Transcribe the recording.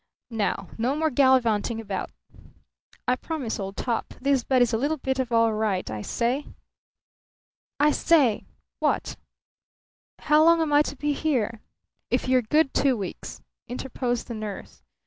"Now, no more gallivanting about." "I promise, old top. This bed is a little bit of all right. I say!" "What?" "How long am I to be here?" "If you're good, two weeks," interposed the nurse.